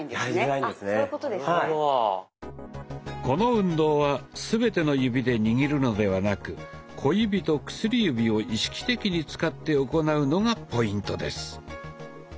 この運動は全ての指で握るのではなく小指と薬指を意識的に使って行うのがポイントです。